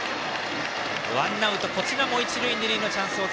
ワンアウトこちらも一塁二塁のチャンス。